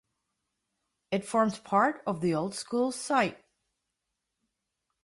It forms part of the Old Schools Site.